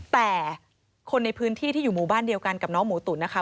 แต่คนในพื้นที่ที่อยู่หมู่บ้านเดียวกันกับน้องหมูตุ๋นนะคะ